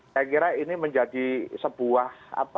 saya kira ini menjadi sebuah